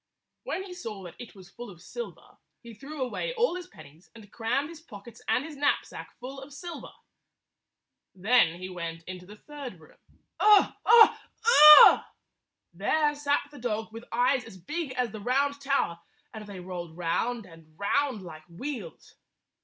When he saw that it was full of silver, he threw away all his pennies and crammed his pockets and his knapsack full of silver. Then he went into the third room. Ugh! Ugh! i 6 a Ugh! There sat the dog with eyes as big as the Round Tower, and they rolled round and round like wheels.